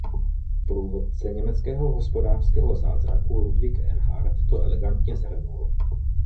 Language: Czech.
Původce německého hospodářského zázraku Ludwig Erhard to elegantně shrnul.